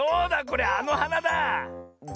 これあのはなだあ。